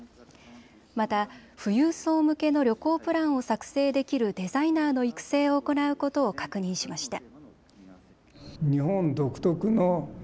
また、富裕層向けの旅行プランを作成できるデザイナーの育成を行うことを確認しました。